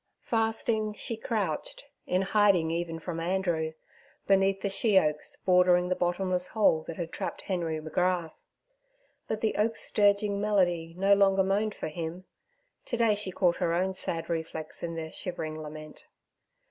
Fasting, she crouched, in hiding even from Andrew, beneath the she oaks bordering the bottomless hole that had trapped Henry Magrath. But the oaks' dirging melody no longer moaned for him; to day she caught her own sad reflex in their shivering lament.